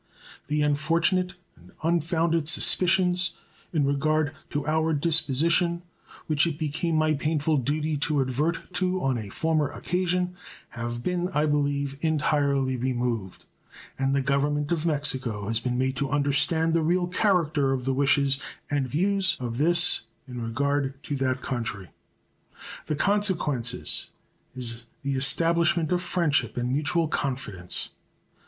The unfortunate and unfounded suspicions in regard to our disposition which it became my painful duty to advert to on a former occasion have been, I believe, entirely removed, and the Government of Mexico has been made to understand the real character of the wishes and views of this in regard to that country. The consequences is the establishment of friendship and mutual confidence.